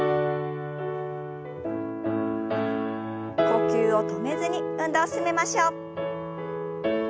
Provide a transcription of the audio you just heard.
呼吸を止めずに運動を進めましょう。